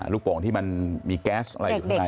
โป่งที่มันมีแก๊สอะไรอยู่ข้างใน